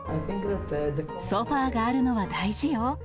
ソファがあるのは大事よ。